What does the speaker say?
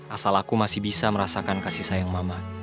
asal aku masih bisa merasakan kasih sayang mama